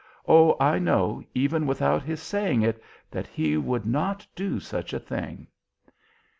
Oh, I know, even without his saying it, that he would not do such a thing."